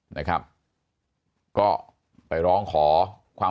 มีความรู้สึกว่า